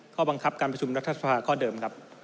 ข้อบังคับการประชุมรัฐสภาข้อเดิมครับ